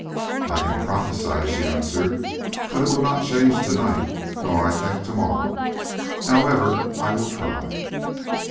"I can prophesy," she answered; "but it will not change to night, nor, I think, to morrow. However, I will try."